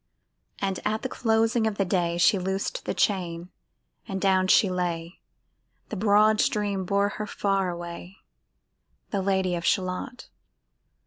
And at the closing of the day She loosed the chain, and down she lay; The broad stream bore her far away, The Lady of Shalott.